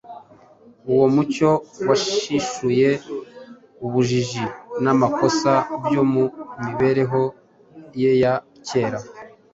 Uwo mucyo wahishuye ubujiji n’amakosa byo mu mibereho ye ya kera